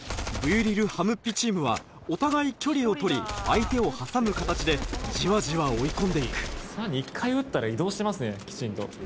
ぶゅりる・はむっぴチームはお互い距離を取り相手を挟む形でじわじわ追い込んで行く２回撃ったら移動してますねきちんと。